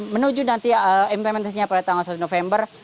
menuju nanti implementasinya pada tanggal satu november